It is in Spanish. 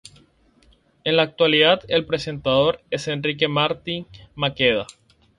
En la actualidad, el presentador es Enrique Martí Maqueda.